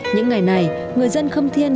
những ngày này người dân khâm thiên